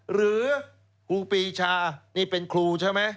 หรือครูปีชานี่เป็นครูใช่ไหม